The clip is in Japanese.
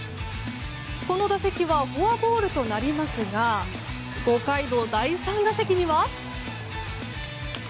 この打席はフォアボールとなりますが５回の第３打席には。